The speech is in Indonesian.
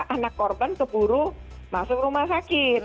anak korban keburu masuk rumah sakit